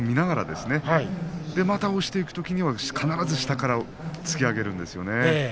で、また押していくときには必ず下から突き上げるんですよね。